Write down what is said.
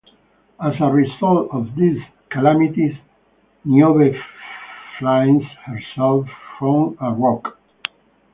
As a result of these calamities, Niobe flings herself from a rock.